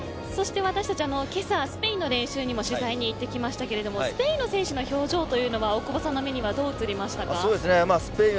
そして私たちはけさスペインの練習にも取材に行ってきましたけれどもスペインの選手の表情というのは大久保さんの目にはどう映りましたか。